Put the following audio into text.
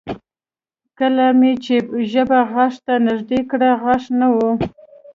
کله مې چې ژبه غاښ ته نږدې کړه غاښ نه و